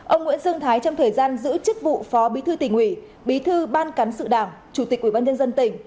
ông nguyễn dương thái trong thời gian giữ chức vụ phó bí thư tỉnh uỷ bí thư ban cán sự đảng chủ tịch ubnd tỉnh